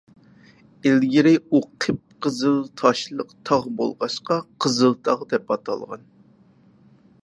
ئىلگىرى ئۇ قىپقىزىل تاشلىق تاغ بولغاچقا، «قىزىلتاغ» دەپ ئاتالغان.